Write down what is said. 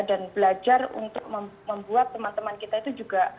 dan belajar untuk membuat teman teman kita itu juga